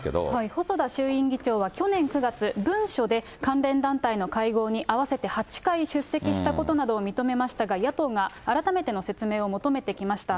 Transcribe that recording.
細田衆院議長は去年９月、文書で関連団体の会合に合わせて８回出席したことなどを認めましたが、野党が改めての説明を求めてきました。